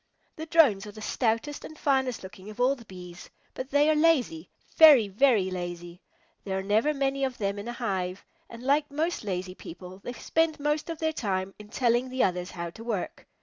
The Drones are the stoutest and finest looking of all the Bees, but they are lazy, very, very lazy. There are never many of them in a hive, and like most lazy people, they spend much of their time in telling the others how to work.